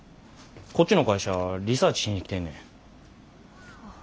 こっちの会社リサーチしに来てんねん。